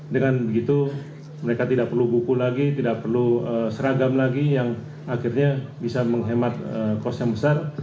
dengan begitu mereka tidak perlu buku lagi tidak perlu seragam lagi yang akhirnya bisa menghemat kos yang besar